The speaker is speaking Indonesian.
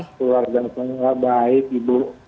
keluarga saya baik ibu